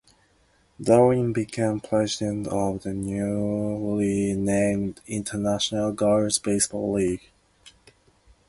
Darling became president of the newly named International Girls Baseball League.